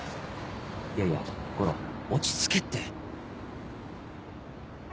いやいや悟郎落ち着けって。